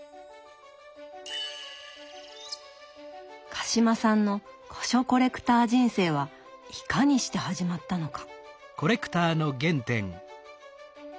鹿島さんの古書コレクター人生はいかにして始まったのか。